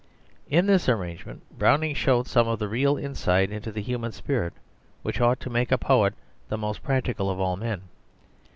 In this arrangement Browning showed some of that real insight into the human spirit which ought to make a poet the most practical of all men.